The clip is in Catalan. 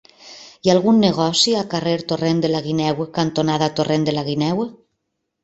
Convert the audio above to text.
Hi ha algun negoci al carrer Torrent de la Guineu cantonada Torrent de la Guineu?